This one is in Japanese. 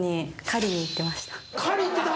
狩り行ってた。